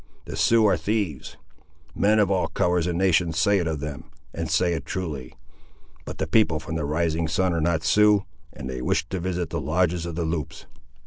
The Siouxes are thieves. Men of all colours and nations say it of them, and say it truly. But the people from the rising sun are not Siouxes, and they wish to visit the lodges of the Loups."